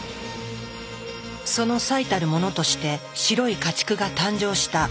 その最たるものとして白い家畜が誕生したというのだ。